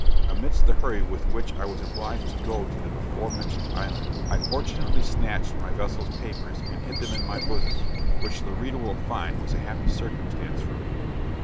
Amidst the hurry with which I was obliged to go to the before mentioned island, I fortunately snatched by vessel's papers, and hid them in my bosom, which the reader will find was a happy circumstance for me.